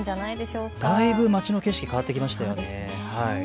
だいぶ街の景色変わってきましたよね。